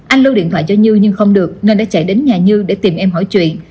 anh lưu điện thoại cho như nhưng không được nên đã chạy đến nhà như để tìm em hỏi chuyện